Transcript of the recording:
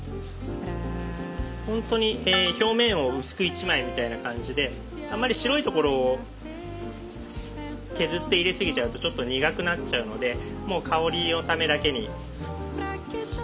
ほんとに表面を薄く１枚みたいな感じであんまり白いところを削って入れすぎちゃうとちょっと苦くなっちゃうのでもう香りのためだけに。